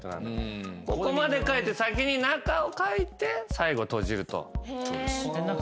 ここまで書いて先に中を書いて最後閉じると。